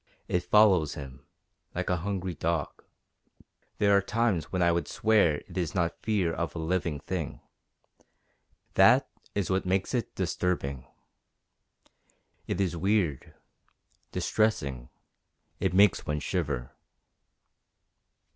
It follows him like a hungry dog. There are times when I would swear it is not fear of a living thing. That is what makes it disturbing. It is weird distressing. It makes one shiver."